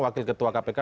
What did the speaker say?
wakil ketua kpk